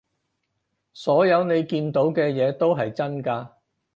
所有你見到嘅嘢都係真㗎